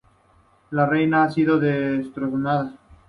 La Reina ha sido destronada.